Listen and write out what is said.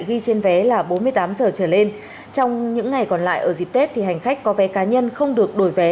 ghi trên vé là bốn mươi tám giờ trở lên trong những ngày còn lại ở dịp tết thì hành khách có vé cá nhân không được đổi vé